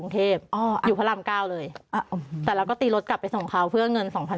กรุงเทพอ๋ออยู่พระรามเก้าเลยอ่าแต่เราก็ตีรถกลับไปส่งเขาเพื่อเงินสองพัน